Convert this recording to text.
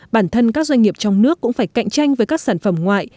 bản thân các doanh nghiệp trong nước cũng phải cạnh tranh với các sản phẩm ngoại